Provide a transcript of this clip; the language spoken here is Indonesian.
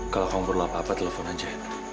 kalau kamu perlu apa apa telepon aja